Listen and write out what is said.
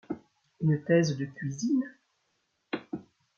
Une thèse de cuisine ?